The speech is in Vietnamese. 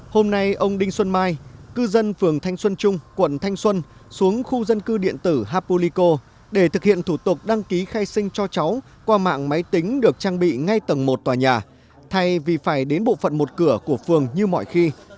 hôm nay ông đinh xuân mai cư dân phường thanh xuân trung quận thanh xuân xuống khu dân cư điện tử hapulico để thực hiện thủ tục đăng ký khai sinh cho cháu qua mạng máy tính được trang bị ngay tầng một tòa nhà thay vì phải đến bộ phận một cửa của phường như mọi khi